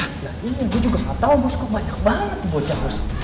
nah ini gue juga nggak tahu bos kok banyak banget ocak bos